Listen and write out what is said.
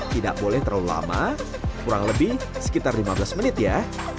tidak boleh terlalu lama kurang lebih sekitar lima belas menit ya